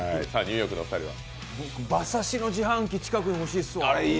僕、馬刺しの自販機近くに欲しいですわ。